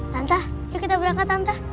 tante yuk kita berangkat tante